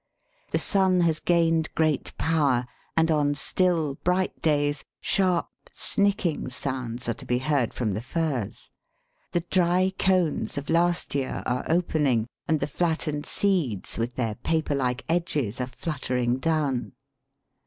The sun has gained great power, and on still bright days sharp snicking sounds are to be heard from the firs. The dry cones of last year are opening, and the flattened seeds with their paper like edges are fluttering down.